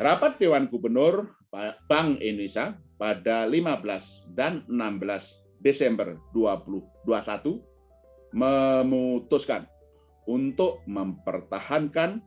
rapat dewan gubernur bank indonesia pada lima belas dan enam belas desember dua ribu dua puluh satu memutuskan untuk mempertahankan